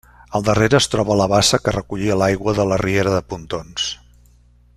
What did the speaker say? Al darrere es troba la bassa que recollia l'aigua de la riera de Pontons.